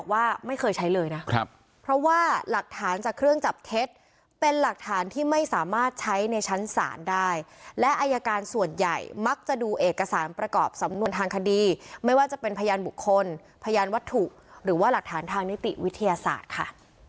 ว่าไม่เคยใช้เลยนะครับเพราะว่าหลักฐานจากเครื่องจับเท็จเป็นหลักฐานที่ไม่สามารถใช้ในชั้นศาลได้และอายการส่วนใหญ่มักจะดูเอกสารประกอบสำนวนทางคดีไม่ว่าจะเป็นพยานบุคคลพยานวัตถุหรือว่าหลักฐานทางนิติวิทยาศาสตร์ค่ะ